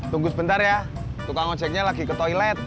tunggu sebentar ya tukang ojeknya lagi ke toilet